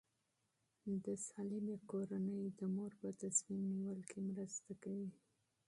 د سالمې کورنۍ د مور په تصمیم نیول کې مرسته کوي.